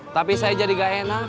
tapi saya jadi gak enak